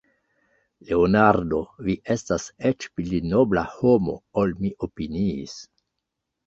Leonardo, vi estas eĉ pli nobla homo, ol mi opiniis.